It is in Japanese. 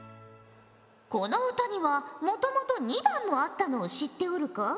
この歌にはもともと２番もあったのを知っておるか？